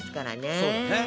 そうだね。